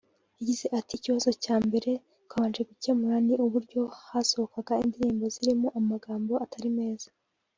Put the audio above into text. yagize ati” “Ikibazo cya mbere twabanje gukemura ni uburyo hasohokaga indirimbo zirimo amagambo atari meza